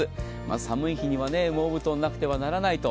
寒い日には羽毛布団がなくてはならないと。